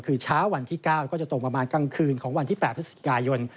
คือเช้าวันที่๙ก็จะตกประมาณกลางคืนของวันที่๘พฤศจิกายน